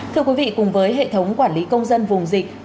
thưa quý vị cùng với hệ thống quản lý công dân vùng dịch